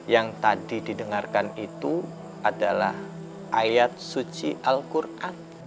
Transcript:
yang tadi didengarkan itu adalah ayat suci al quran